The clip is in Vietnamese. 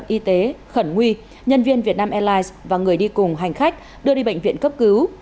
tổ thiệp viên đã được bộ phận y tế khẩn nguy nhân viên việt nam airlines và người đi cùng hành khách đưa đi bệnh viện cấp cứu